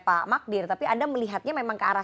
pak magdir tapi anda melihatnya memang ke arah